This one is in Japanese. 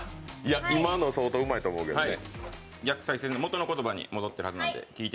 今の相当、うまいと思うけどね。